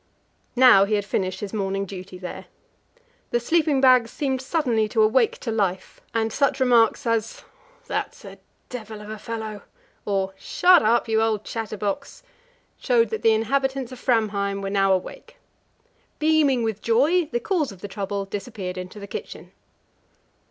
Now he had finished his morning duty there. The sleeping bags seemed suddenly to awake to life, and such remarks as, "That's a devil of a fellow!" or "Shut up, you old chatterbox!" showed that the inhabitants of Framheim were now awake. Beaming with joy, the cause of the trouble disappeared into the kitchen.